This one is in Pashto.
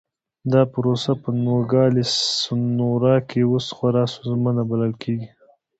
دا پروسه په نوګالس سونورا کې اوس خورا ستونزمنه بلل کېږي.